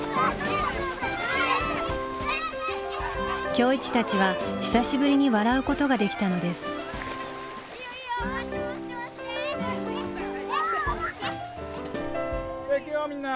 今日一たちは久しぶりに笑うことができたのです・じゃあいくよみんな。